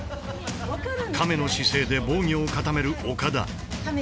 亀の姿勢で防御を固める岡田。